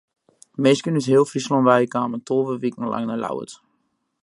Minsken út heel Fryslân wei kamen tolve wiken lang nei Ljouwert.